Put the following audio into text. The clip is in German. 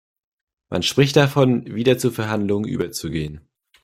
Man spricht davon, wieder zu Verhandlungen überzugehen.